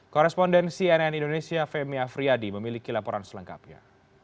korrespondensi nn indonesia femia friadi memiliki laporan selengkapnya